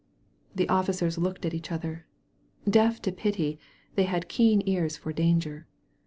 The officers looked at each other. Deaf to pity, they had keen ears for danger.